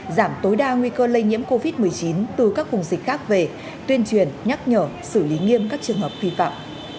giảm tối đa nguy cơ lây nhiễm covid một mươi chín từ các vùng dịch khác về tuyên truyền nhắc nhở xử lý nghiêm các trường hợp phi phạm